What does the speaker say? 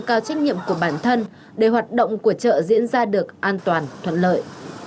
cảm ơn các bạn đã theo dõi và ủng hộ cho bản thân để hoạt động của trợ diễn ra được an toàn thuận lợi